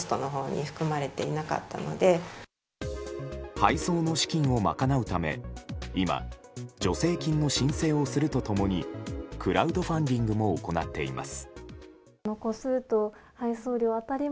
配送の資金を賄うため今、助成金の申請をすると共にクラウドファンティングも行っています。